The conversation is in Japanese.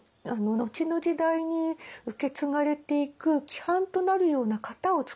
後の時代に受け継がれていく規範となるような型を創った歌集です。